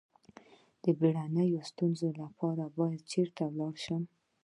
د بیړنیو ستونزو لپاره باید چیرته لاړ شم؟